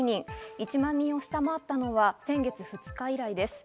１万人を下回ったのは先月２日以来です。